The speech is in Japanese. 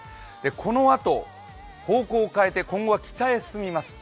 このあと、方向を変えて今後は北へ進みます。